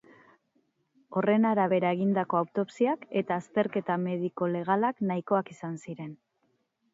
Horren arabera egindako autopsiak eta azterketa mediko-legalak nahikoak izan ziren.